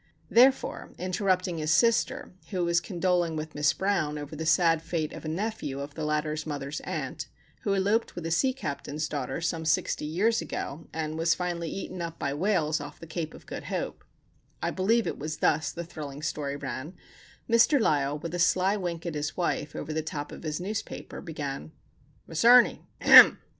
Therefore, interrupting his sister, who was condoling with Miss Brown over the sad fate of a nephew of the latter's mother's aunt, who eloped with a sea captain's daughter some sixty years ago, and was finally eaten up by whales off the Cape of Good Hope (I believe it was thus the thrilling story ran), Mr. Lysle, with a sly wink at his wife over the top of his newspaper, began: "Miss Ernie! ahem!"